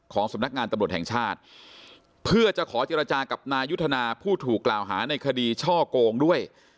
สำนักงานตำรวจแห่งชาติเพื่อจะขอเจรจากับนายุทธนาผู้ถูกกล่าวหาในคดีช่อโกงด้วย